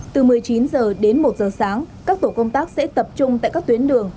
từ một mươi chín h đến một giờ sáng các tổ công tác sẽ tập trung tại các tuyến đường